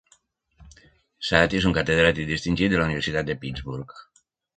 Saaty és un catedràtic distingit de la universitat de Pittsburgh.